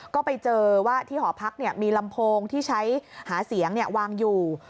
ก็ไปเจอว่าที่หอพักมีลำโพงที่ใช้หาเสียงวางอยู่